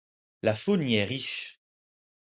La faune y est riche.